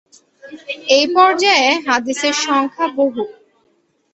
এই পর্যায়ের হাদীসের সংখ্যা বহু।